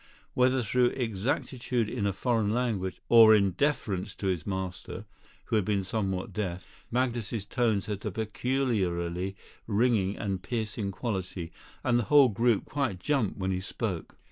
Whether through exactitude in a foreign language, or in deference to his master (who had been somewhat deaf), Magnus's tones had a peculiarly ringing and piercing quality, and the whole group quite jumped when he spoke.